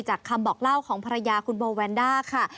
คำบอกเล่าของภรรยาคุณโบแวนด้าค่ะ